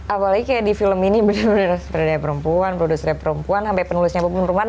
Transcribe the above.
apalagi kayak di film ini bener bener peradanya perempuan produsenya perempuan sampai penulisnya perempuan